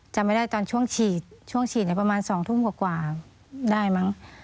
จำไม่ได้ตอนช่วงฉีดช่วงฉีดประมาณ๒ทุ่มกว่าได้มั้ง